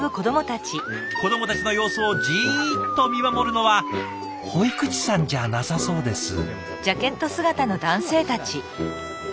子どもたちの様子をじっと見守るのは保育士さんじゃなさそうです。